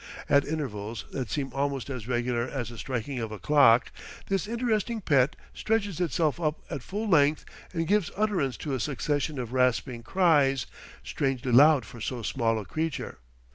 At intervals that seem almost as regular as the striking of a clock, this interesting pet stretches itself up at full length and gives utterance to a succession of rasping cries, strangely loud for so small a creature.